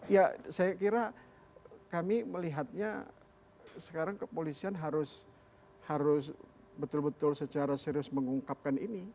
ya saya kira kami melihatnya sekarang kepolisian harus betul betul secara serius mengungkapkan ini